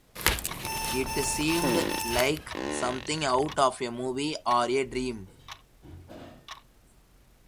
It seemed like something out of a movie or a dream.